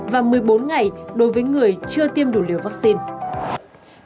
và một mươi bốn ngày đối với người chưa tiêm đủ liều vaccine